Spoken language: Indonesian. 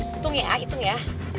hitung ya hitung ya